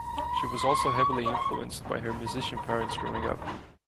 She was also heavily influenced by her musician parents growing up.